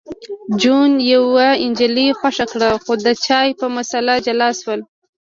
جون یوه نجلۍ خوښه کړه خو د چای په مسله جلا شول